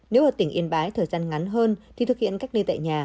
nếu ở tỉnh yên bái thời gian ngắn hơn thì thực hiện cách ly tại nhà